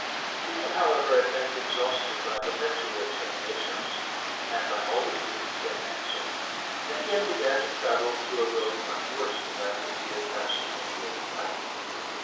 Being, however, at length exhausted by perpetual interro gations, and by. always giving the same answer, they again began to travel through a road much worse than that which we had passed through during the night.